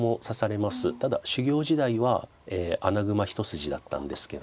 ただ修業時代は穴熊一筋だったんですけど。